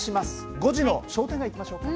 ５時の商店街いきましょうか。